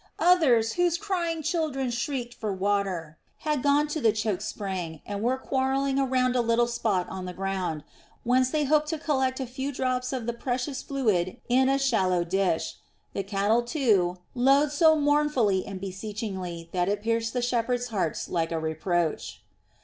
Others, whose crying children shrieked for water, had gone to the choked spring and were quarrelling around a little spot on the ground, whence they hoped to collect a few drops of the precious fluid in a shallow dish. The cattle, too, lowed so mournfully and beseechingly that it pierced the shepherds' hearts like a reproach.